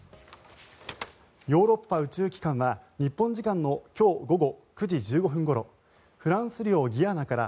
ヨーロッパ宇宙機関は日本時間の今日午後９時１５分ごろフランス領ギアナから